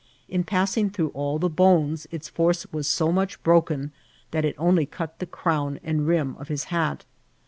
In passing through all the bones, its force was so much broken that it only cut the crown and rim of his hat.